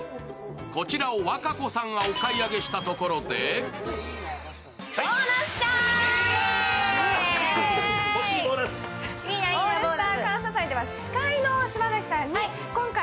こちらを和歌子さんがお買い上げしたところでこれ言いたかった。